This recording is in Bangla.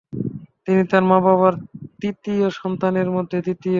তিনি তাঁর মা-বাবার তৃতীয় সন্তানের মধ্যে দ্বিতীয়।